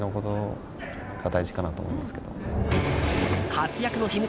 活躍の秘密